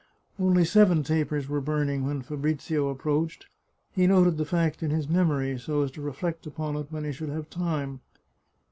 Only seven tapers were burning when Fabrizio ap proached. He noted the fact in his memory, so as to re flect on it when he should have time.